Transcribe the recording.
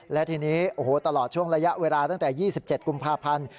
และทีนี้โอ้โหตลอดช่วงระยะเวลาตั้งแต่๒๗กุมภาพันธ์